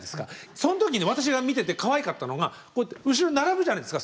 その時に私が見ててかわいかったのがこうやって後ろに並ぶじゃないですか